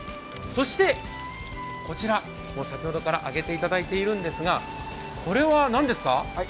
そして、先ほどから揚げていただいているんですがこれは何ですか？